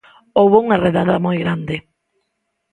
Houbo unha redada moi grande.